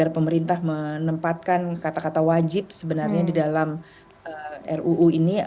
pemerintah menempatkan kata kata wajib sebenarnya di dalam ruu ini